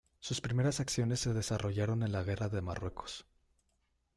Sus primeras acciones se desarrollaron en la Guerra de Marruecos.